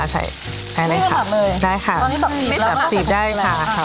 ใช่ได้เลยค่ะได้ค่ะตอนนี้ต้องจีบแล้วจีบได้ค่ะ